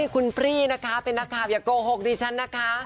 คุณพรีค่ะขอบคุณคุณพรีมากนะคะ